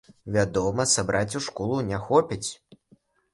Вядома, сабраць у школу не хопіць.